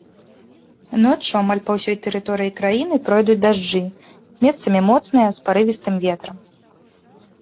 Ноччу амаль па ўсёй тэрыторыі краіны пройдуць дажджы, месцамі моцныя, з парывістым ветрам.